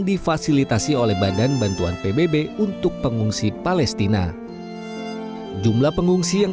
difasilitasi oleh badan bantuan pbb untuk pengungsi palestina jumlah pengungsi yang